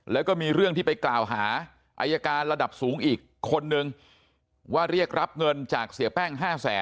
แล้วก็มีเรื่องที่ไปกล่าวหาอายการระดับสูงอีกคนนึงว่าเรียกรับเงินจากเสียแป้ง๕แสน